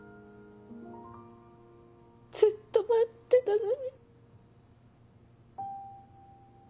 ずっと待ってたのに。